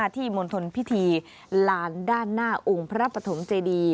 มณฑลพิธีลานด้านหน้าองค์พระปฐมเจดี